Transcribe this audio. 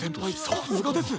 さすがです！